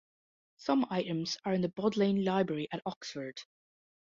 Some items are in the Bodleian library at Oxford.